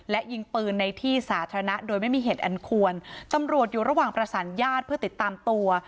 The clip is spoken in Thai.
และยิงปืนในที่สาธารณะโดยไม่มีเหตุอันควรตำรวจอยู่ระหว่างประสานญาติเพื่อติดตามตัว